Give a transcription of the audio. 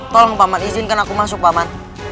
tolong paman izinkan aku masuk paman